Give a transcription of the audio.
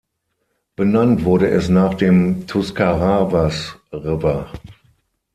Benannt wurde es nach dem Tuscarawas River.